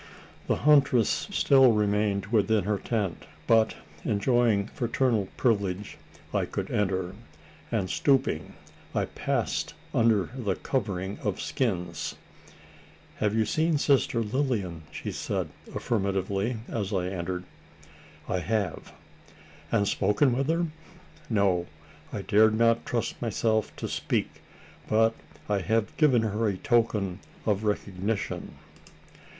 The huntress still remained within her tent; but, enjoying the fraternal privilege, I could enter; and, stooping, I passed under the covering of skins. "You have seen sister Lilian!" she said, affirmatively, as I entered. "I have." "And spoken with her?" "No I dared not trust myself to speak; but I have given her a token of recognition."